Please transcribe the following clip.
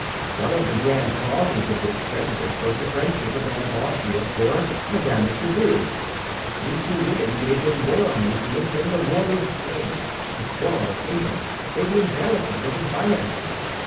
One of the grand causes of this prejudice was the friendship of Anne of Austria for Mme. de Chevreuse. These two women gave him more uneasiness than the war with Spain, the quarrel with England, or the embarrassment of the finances.